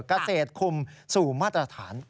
เกษตรคุมสู่มาตรฐาน